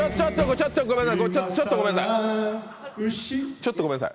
ちょっとごめんなさい。